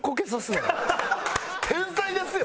天才ですよ。